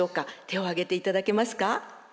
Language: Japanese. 手を挙げていただけますか？